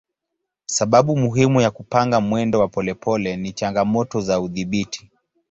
Sababu muhimu ya kupanga mwendo wa polepole ni changamoto za udhibiti.